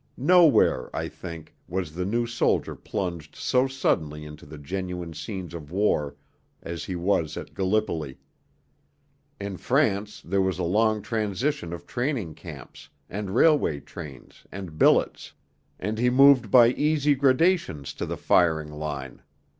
Nowhere, I think, was the new soldier plunged so suddenly into the genuine scenes of war as he was at Gallipoli; in France there was a long transition of training camps and railway trains and billets, and he moved by easy gradations to the firing line.